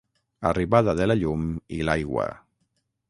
Arribada de la llum i l'aigua.